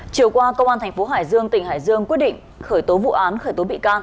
chiều qua công an thành phố hải dương tỉnh hải dương quyết định khởi tố vụ án khởi tố bị can